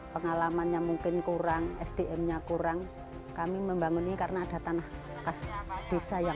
pengalamannya mungkin kurang sdm nya kurang kami membangun ini karena ada tanah kas bisa